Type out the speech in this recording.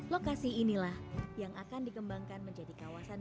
lokasi inilah yang akan dikembangkan menjadi kawasan